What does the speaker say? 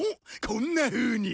こんなふうに。